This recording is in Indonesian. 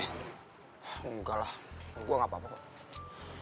enggak lah gue gak apa apa kok